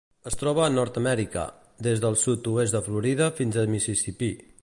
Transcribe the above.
Es troba a Nord-amèrica: des del sud-oest de Florida fins a Mississipí.